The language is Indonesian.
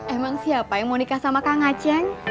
emang siapa yang mau nikah sama kang aceh